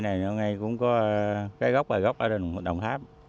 cái này cũng có cái gốc vài gốc ở đồng tháp